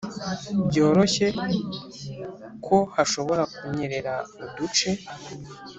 byoroshye kohashobora kunyerera uduce